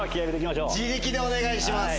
自力でお願いします。